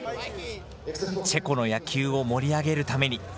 チェコの野球を盛り上げるために。